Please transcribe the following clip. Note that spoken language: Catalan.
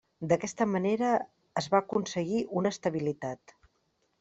D'aquesta manera es va aconseguir una estabilitat.